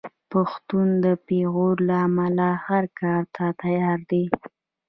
پښتون د پېغور له امله هر کار ته تیار دی.